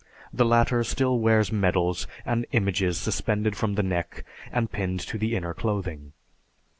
The latter still wears medals and images suspended from the neck and pinned to the inner clothing.